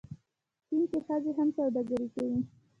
چین کې ښځې هم سوداګري کوي.